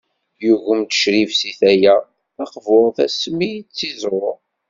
Yugem-d Ccrif seg tala taqburt asmi i tt-iẓur.